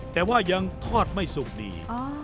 แต่ว่ายังทอดไม่สุกดี